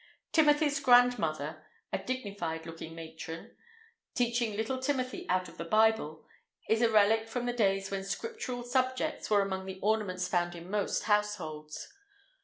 Timothy's grandmother (a dignified looking matron), teaching little Timothy out of the Bible, is a relic from the days when Scriptural subjects were among the ornaments found in most households.